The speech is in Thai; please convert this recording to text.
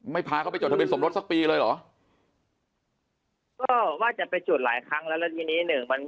พาเขาไปจดทะเบียสมรสสักปีเลยเหรอก็ว่าจะไปจดหลายครั้งแล้วแล้วทีนี้หนึ่งมัน